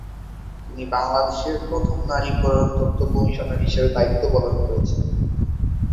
তিনি বাংলাদেশের প্রথম নারী প্রধান তথ্য কমিশনার হিসেবে দায়িত্ব পালন করেছেন।